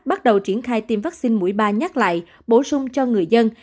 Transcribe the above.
bắt đầu triển khai tiêm vaccine mũi ba nhắc lại bổ sung cho người dân